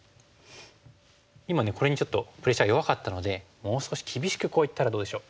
今これにちょっとプレッシャー弱かったのでもう少し厳しくこういったらどうでしょう？